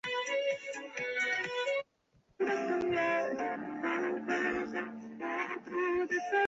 国民荣誉奖得奖的作曲家服部良一的长男。